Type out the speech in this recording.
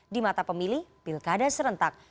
di mata pemilih pilkada serentak